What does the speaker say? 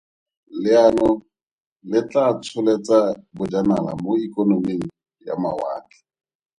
Leano le tla tsholetsa Bojanala mo ikonoming ya mawatle.